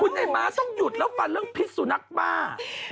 ไอ้ม้าต้องหยุดแล้วฟันเรื่องพิษสุนัขบ้า